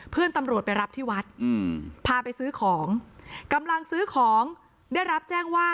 เพื่อนตำรวจไปรับที่วัดพาไปซื้อของกำลังซื้อของได้รับแจ้งว่า